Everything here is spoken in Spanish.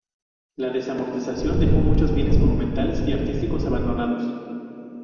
La desamortización dejó muchos bienes monumentales y artísticos abandonados.